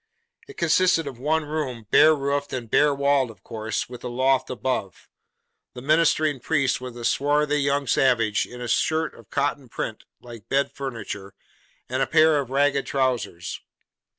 It consisted of one room, bare roofed and bare walled of course, with a loft above. The ministering priest was a swarthy young savage, in a shirt of cotton print like bed furniture, and a pair of ragged trousers.